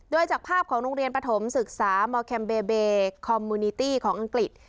โดยจากภาพของโรงเรียนปฐมศึกษามอร์แคมเบเบคอมมูนิตี้ของอังกฤษ